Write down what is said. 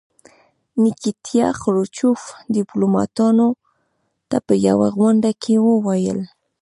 نیکیتیا خروچوف ډیپلوماتانو ته په یوه غونډه کې وویل.